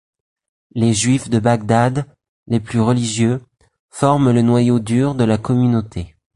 Les Juifs de Baghdad, les plus religieux, forment le noyau dur de la communauté.